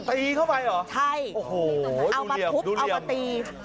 ตีเข้าไปเหรอโอ้โหดูเหลี่ยมดูเหลี่ยมเอามาทุบเอามาตี